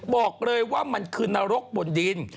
บอกเลยว่ามันคือนรกบนดิน